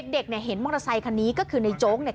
เด็กเนี่ยเห็นมอเตอร์ไซคันนี้ก็คือในโจ๊กเนี่ย